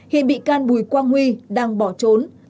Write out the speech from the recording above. hiện bị can bùi quang huy đang bỏ trốn